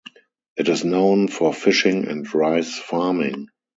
It is known for fishing and rice farming.